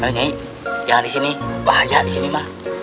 nyai jangan di sini bahaya di sini ma